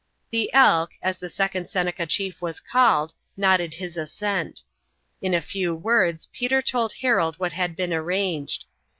The Elk, as the second Seneca chief was called, nodded his assent. In a few words Peter told Harold what had been arranged.